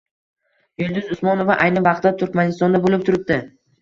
Yulduz Usmonova ayni vaqtda Turkmanistonda bo‘lib turibdi